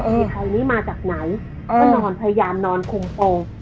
ไอ้ไทยนี่มาจากไหนก็นอนพยายามนอนคงตรง